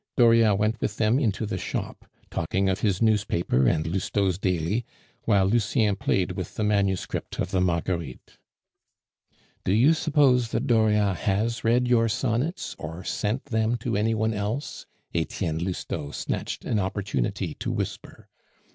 Dauriat went with them into the shop, talking of his newspaper and Lousteau's daily, while Lucien played with the manuscript of the Marguerites. "Do you suppose that Dauriat has read your sonnets or sent them to any one else?" Etienne Lousteau snatched an opportunity to whisper.